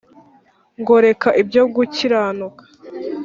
ngoreka ibyo gukiranuka